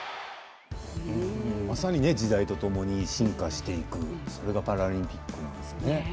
まさに時代とともに進化していくそれがパラリンピックなんですね。